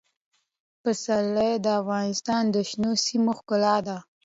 پسرلی د افغانستان د شنو سیمو ښکلا ده.